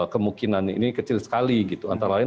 kemungkinan ini kecil sekali gitu antara lain